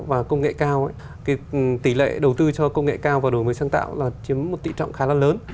và công nghệ cao tỷ lệ đầu tư cho công nghệ cao và đổi mới sáng tạo là chiếm một tỷ trọng khá là lớn